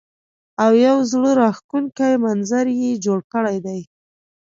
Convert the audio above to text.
او يو زړۀ راښکونکے منظر يې جوړ کړے دے ـ